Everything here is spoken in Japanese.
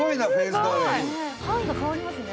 範囲が変わりますね。